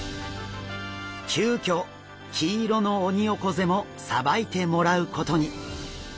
急きょ黄色のオニオコゼもさばいてもらうことに。